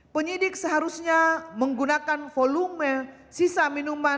penyidik seharusnya menggunakan volume sisa minuman